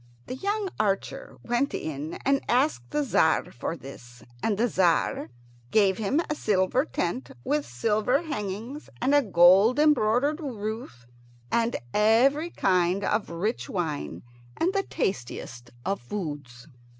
The young archer went in and asked the Tzar for this, and the Tzar gave him a silver tent with silver hangings and a gold embroidered roof, and every kind of rich wine and the tastiest of foods.